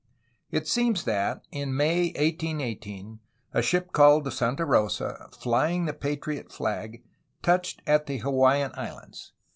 It seems that in May 1818 a ship called the Santa Rosa, flying the patriot flag, touched at the Hawaiian Islands.